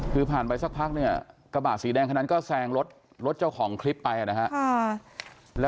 คือผ่านไปสักพักเนี่ยกระบะสีแดงคนนั้นก็แซงรถเจ้าของคลิปไปนะฮะ